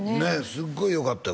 すごいよかったよ